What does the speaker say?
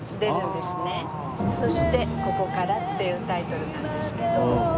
『そして、ここから』というタイトルなんですけど。